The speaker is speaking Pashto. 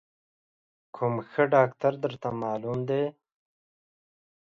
کوم ښه ډاکتر درته معلوم دی؟